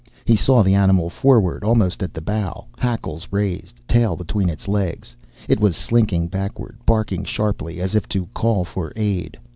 He saw the animal forward, almost at the bow. Hackles raised, tail between its legs, it was slinking backward, barking sharply as if to call for aid.